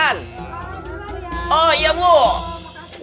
atau iya bu